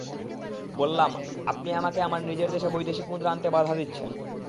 বললাম, আপনি আমাকে আমার নিজের দেশে বৈদেশিক মুদ্রা আনতে বাধা দিচ্ছেন।